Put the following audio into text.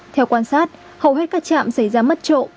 theo quan sát hầu hết các trạm xảy ra mất trộm